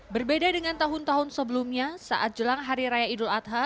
berbeda dengan tahun tahun sebelumnya saat jelang hari raya idul adha